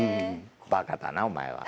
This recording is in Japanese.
バカだなお前は。